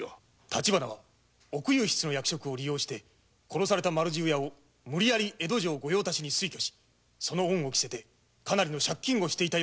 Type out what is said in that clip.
立花は奥祐筆の役職を利用して殺された丸十屋を江戸城・御用達に推挙しその恩を着せてかなりの借金をしていた。